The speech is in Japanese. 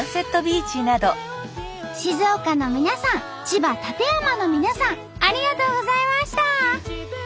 静岡の皆さん千葉館山の皆さんありがとうございました。